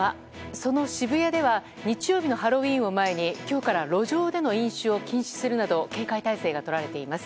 その渋谷では日曜日のハロウィーンを前に今日から路上での飲酒を禁止するなど警戒態勢がとられています。